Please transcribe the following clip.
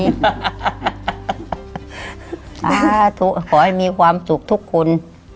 สาธุขอให้มีความสุขทุกคน